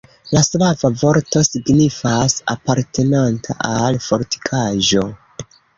La slava vorto signifas: apartenanta al fortikaĵo.